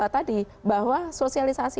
tadi bahwa sosialisasi